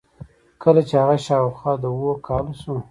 کله چې هغه شاوخوا د اوو کالو شو.